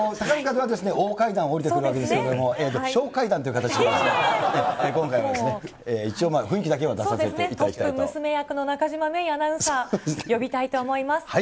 大階段を下りてくるわけですけれども、小階段という形で今回は一応、雰囲気だけは出させていただきた娘役の中島芽生アナウンサー、呼びたいと思います。